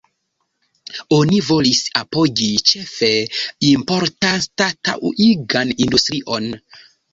Oni volis apogi ĉefe importanstataŭigan industrion.